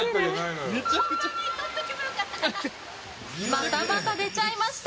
またまた出ちゃいました！